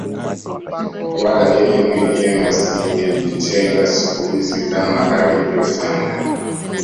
Wala yeye mwenyewe asingejitenga siku hizi kama alivyofanya